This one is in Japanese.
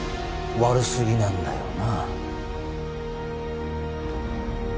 悪すぎなんだよな・